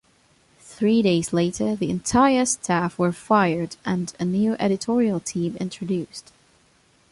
Three days later the entire staff were fired and a new editorial team introduced.